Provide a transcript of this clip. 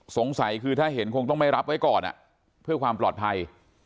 สงสัยคือถ้าเห็นคงต้องไม่รับไว้ก่อนเพื่อความปลอดภัย